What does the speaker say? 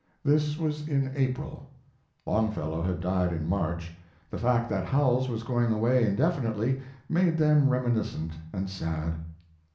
This was in April. Longfellow had died in March. The fact that Howells was going away indefinitely, made them reminiscent and sad.